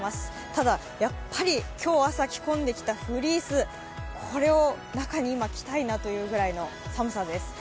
ただ、やっぱり、今日朝着込んできたフリース、これを中に今、着たいなというくらいの寒さです。